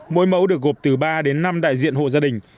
mỗi mẫu được gộp từ ba đến năm đại diện hộ gia đình